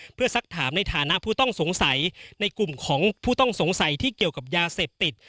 เพื่อสักถามในฐานะผู้ต้องสงสัยในกลุ่มของผู้ต้องสงสัยที่เกี่ยวกับยาเสพติด